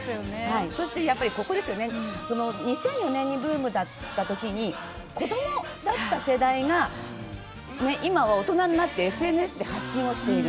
そして、やっぱりここですよね、２００４年にブームだったときに、子どもだった世代が、今は大人になって、ＳＮＳで発信をしている。